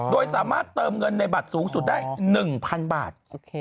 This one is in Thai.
โดยสามารถเติมเงินในบัตรสูงสุดได้๑๐๐๐บาท